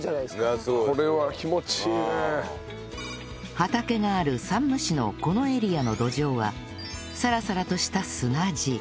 畑がある山武市のこのエリアの土壌はサラサラとした砂地